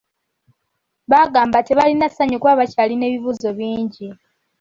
Bagamba tebalina ssanyu kuba bakyalina ebibuuzo bingi.